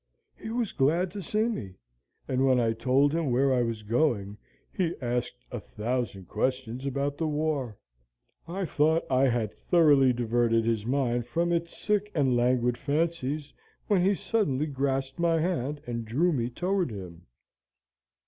He was glad to see me, and when I told him where I was going, he asked a thousand questions about the war. I thought I had thoroughly diverted his mind from its sick and languid fancies, when he suddenly grasped my hand and drew me toward him.